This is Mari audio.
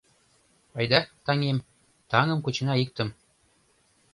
- Айда, таҥем, таҥым кучена иктым!